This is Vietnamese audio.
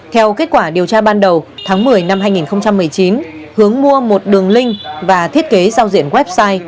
theo kết quả điều tra ban đầu tháng một mươi năm hai nghìn một mươi chín hướng mua một đường link và thiết kế giao diện website